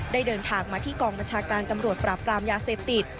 เดินทางมาที่กองบัญชาการตำรวจปราบปรามยาเสพติด